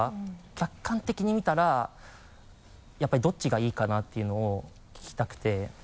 客観的に見たらやっぱりどっちがいいかなっていうのを聞きたくて。